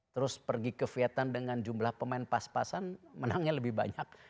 terus pergi ke vietnam dengan jumlah pemain pas pasan menangnya lebih banyak